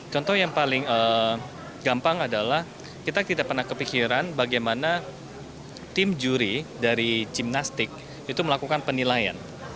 contoh yang paling gampang adalah kita tidak pernah kepikiran bagaimana tim juri dari gimnastik itu melakukan penilaian